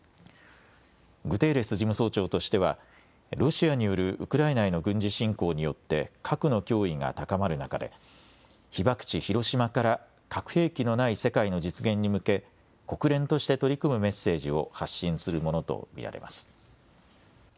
グテーレス事務総長としてはロシアによるウクライナへの軍事侵攻によって核の脅威が高まる中で被爆地、広島から核兵器のない世界の実現に向け国連として取り組むメッセージを発信するものと見られます。